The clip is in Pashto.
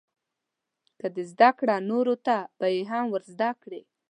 که دې زده کړه نو نورو ته به یې هم ورزده کړې.